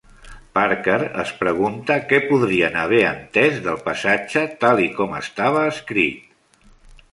Parker es pregunta què podrien haver entès del passatge tal i com estava escrit.